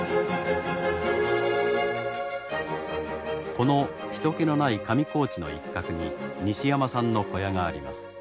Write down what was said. この人けのない上高地の一角に西山さんの小屋があります。